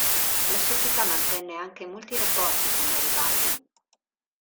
La società mantenne anche molti rapporti con Garibaldi.